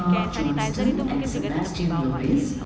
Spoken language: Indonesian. kayak sanitizer itu mungkin juga tetap dibawa